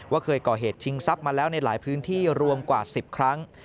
เคยก่อเหตุชิงทรัพย์มาแล้วในหลายพื้นที่รวมกว่า๑๐ครั้ง